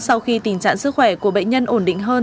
sau khi tình trạng sức khỏe của bệnh nhân ổn định hơn